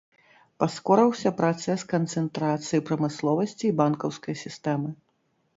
Паскорыўся працэс канцэнтрацыі прамысловасці і банкаўскай сістэмы.